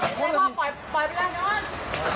พ่อไม่เป็นไรไม่เป็นไรพ่อ